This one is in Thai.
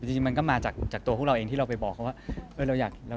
จริงมันก็มาจากตัวพวกเราเองที่เราไปบอกเขาว่า